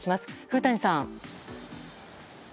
古谷さん。